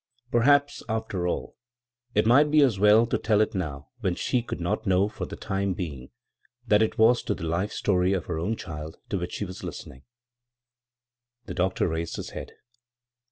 Perhaps, after all, it might be as well to tell it now when she could not know for the time being that it was to the life story of her own child to which she was listening. The doctor raised bis head.